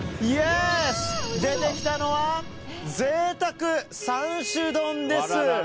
出てきたのは贅沢３種丼です。